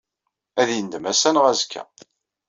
Ad yendem ass-a neɣ azekka.